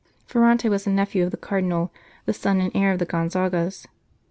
Ferrante was the nephew of the Cardinal, the son and heir of the Gonzagas.